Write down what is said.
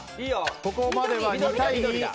ここまでは２対２。